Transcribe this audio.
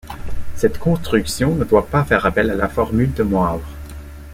Cette construction ne doit pas faire appel à la formule de Moivre.